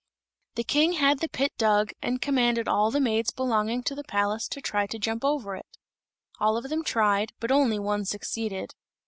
The King had the pit dug, and commanded all the maids belonging to the palace to try to jump over it. All of them tried, but only one succeeded.